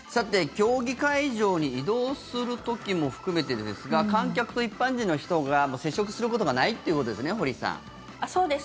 競技会場に移動する時も含めてですが観客と一般人の人が接触することがそうです。